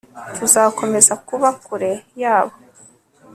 tuzakomeza kuba kure yabo